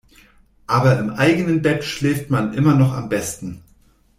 Aber im eigenen Bett schläft man immer noch am besten.